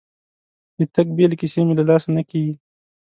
د تګ بیلې کیسې مې له لاسه نه کېږي.